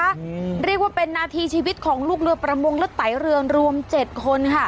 อืมเรียกว่าเป็นนาทีชีวิตของลูกเรือประมงและไตเรืองรวมเจ็ดคนค่ะ